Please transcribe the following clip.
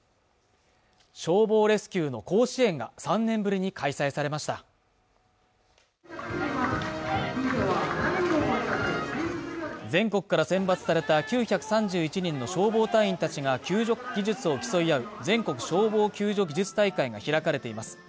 消防レスキューの甲子園が３年ぶりに開催されました全国から選抜された９３１人の消防隊員たちが救助技術を競い合う全国消防救助技術大会が開かれています